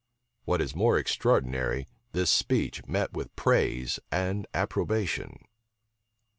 What is more extraordinary, this speech met with praise and approbation.